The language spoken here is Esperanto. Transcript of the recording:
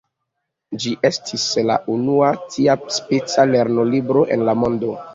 Ĝi estis la unua tiaspeca lernolibro en la mondo.